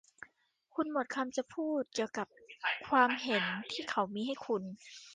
คุณหมดคำจะพูดเกี่ยวกับความเห็นที่เขามีให้คุณ